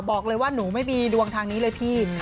บอกเลยว่าหนูไม่มีดวงทางนี้เลยพี่